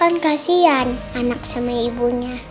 pan kasian anak semai ibunya